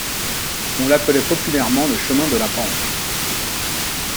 On l’appelait populairement le chemin de la Banque.